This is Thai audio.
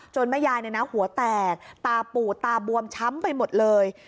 จนแม่ยายเนี่ยนะหัวแตกตาปูดตาบวมช้ำไปหมดเลย